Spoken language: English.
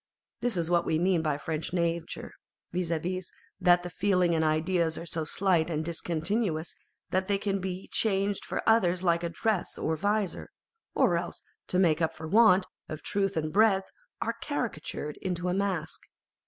This is what we mean by French nature, viz., that the feelings and ideas are so slight and discontinuous that they can be changed for others like a dress or vizor ;' or else, to make up for want of truth and breadth, are caricatured into a mask.